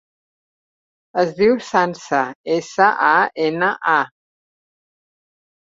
Es diu Sança: essa, a, ena, a.